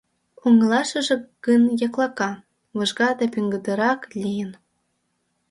Оҥылашыже гын яклака, выжга да пеҥгыдырак лийын.